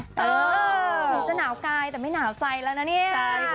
หนูจะหนาวกายแต่ไม่หนาวใจแล้วนะเนี่ย